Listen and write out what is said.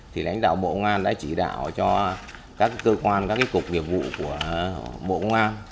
thì lãnh đạo bộ ngoan đã chỉ đạo cho các cơ quan các cục nghiệp vụ của bộ công an